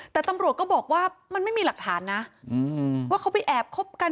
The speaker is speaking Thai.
แต่ตำรวจก็บอกว่ามันไม่มีหลักฐานนะว่าเขาไปแอบคบกัน